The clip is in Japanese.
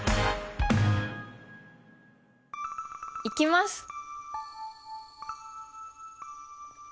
いきます。